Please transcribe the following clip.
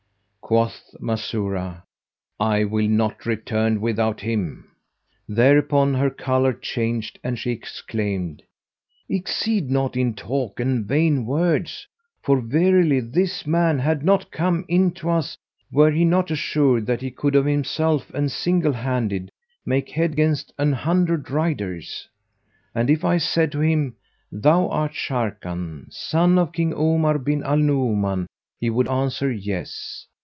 Quoth Masurah, "I will not return without him." Thereupon her colour changed and she exclaimed, "Exceed not in talk and vain words; for verily this man had not come in to us, were he not assured that he could of himself and single handed make head against an hundred riders; and if I said to him, 'Thou art Sharrkan, son of King Omar bin al Nu'uman,' he would answer, 'Yes.'